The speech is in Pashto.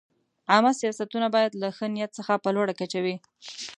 عامه سیاستونه باید له ښه نیت څخه په لوړه کچه وي.